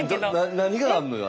何があんのよ